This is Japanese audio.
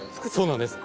そうなんです。